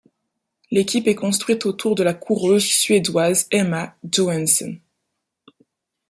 L'équipe est construite autour de la coureuse suédoise Emma Johansson.